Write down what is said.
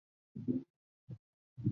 后官任浙江德清知县。